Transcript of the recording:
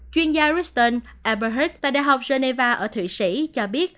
chuyên gia ruston eberhardt tại đại học geneva ở thụy sĩ cho biết